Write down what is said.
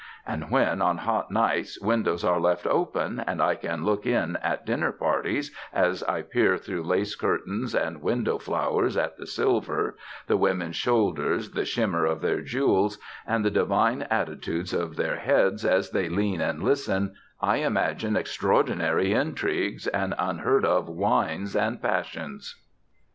And when on hot nights windows are left open, and I can look in at Dinner Parties, as I peer through lace curtains and window flowers at the silver, the women's shoulders, the shimmer of their jewels, and the divine attitudes of their heads as they lean and listen, I imagine extraordinary intrigues and unheard of wines and passions.